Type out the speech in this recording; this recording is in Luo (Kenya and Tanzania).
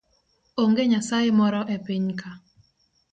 Onge nyasaye moro e pinyka